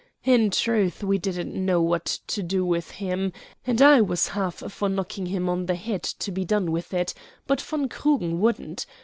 In truth we didn't know what to do with him, and I was half for knocking him on the head to be done with it, but von Krugen wouldn't.